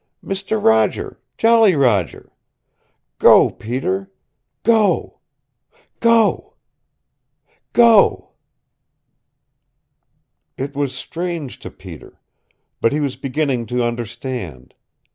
Mister Roger Jolly Roger go, Peter! Go go go " It was strange to Peter. But he was beginning to understand.